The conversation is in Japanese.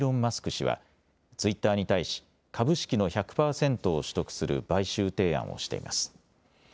氏はツイッターに対し株式の１００％を取得する買収提案をしています。